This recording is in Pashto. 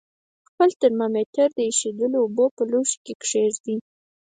خپل ترمامتر د ایشېدلو اوبو په لوښي کې کیږدئ.